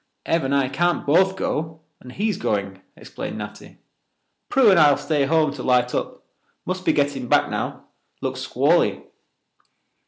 "Ev and I can't both go, and he's going," explained Natty. "Prue and I'll stay home to light up. Must be getting back now. Looks squally."